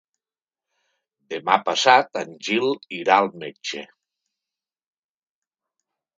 Demà passat en Gil irà al metge.